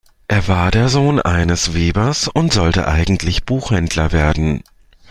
Er war der Sohn eines Webers und sollte eigentlich Buchhändler werden.